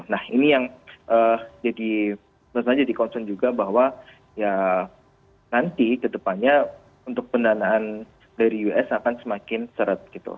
nah ini yang jadi menurut saya jadi concern juga bahwa ya nanti kedepannya untuk pendanaan dari us akan semakin seret gitu